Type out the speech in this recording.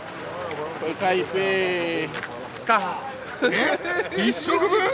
えっ１食分！？